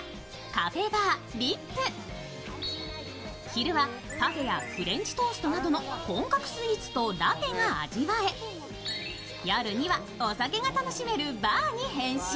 昼はカフェやフレンチトーストなどの本格スイーツとラテが味わえ夜にはお酒が楽しめるバーに変身。